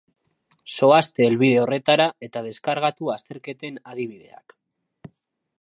Zoazte helbide horretara eta deskargatu azterketen adibideak.